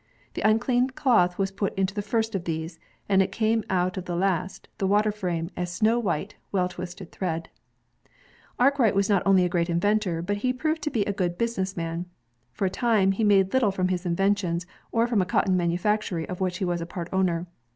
The uncleaned cotton was put into the first of these, and it came out of the last, the water frame, as snow white, well twisted thread. Arkwright was not only a great inventor, but he proved to be a good business man. For a time, he made little from his inventions or from a cotton manufactory of which he was part owner.